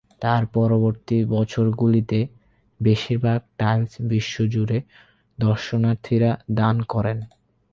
তবে পরবর্তী বছরগুলিতে, বেশিরভাগ টাইলস বিশ্ব জুড়ে দর্শনার্থীরা দান করেন।